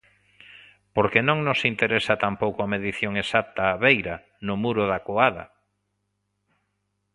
Porque non nos interesa tampouco a medición exacta á beira, no muro da coada.